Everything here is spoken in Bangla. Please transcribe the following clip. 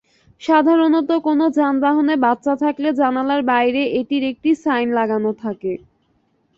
সাধারণত কোনো যানবাহনে বাচ্চা থাকলে জানালার বাইরে এটির একটি সাইন লাগানো থাকে।